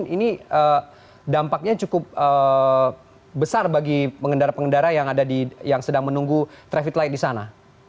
ini dampaknya cukup besar bagi pengendara pengendara yang sedang menunggu traffic light di sana